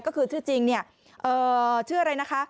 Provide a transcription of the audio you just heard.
ก็คือชื่อจริงเนี่ยชื่ออะไรนะคะ